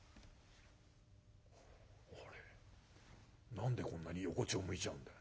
何でこんなに横ちょを向いちゃうんだよ。